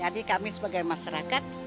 jadi kami sebagai masyarakat